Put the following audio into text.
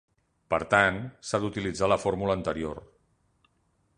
Per tant, s'ha d’utilitzar la fórmula anterior.